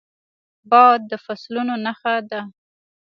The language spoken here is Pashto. باد د فصلونو نښه ده